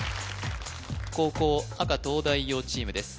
後攻赤東大王チームです